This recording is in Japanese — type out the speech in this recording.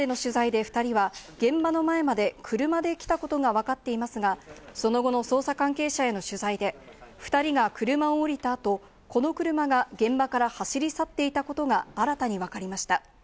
これまでの取材で２人は現場の前まで車で来たことがわかっていますが、その後の捜査関係者への取材で２人が車を降りた後、この車が現場から走り去っていたことが新たにわかりました。